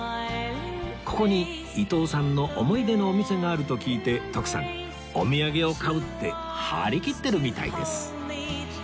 ここに伊東さんの思い出のお店があると聞いて徳さんお土産を買うって張り切ってるみたいです